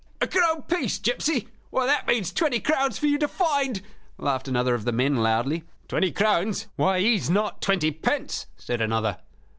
"A crown piece, gipsy! Why, that means twenty crowns for you to find," laughed another of the men, loudly. "Twenty crowns; why, he has not twenty pence," said another.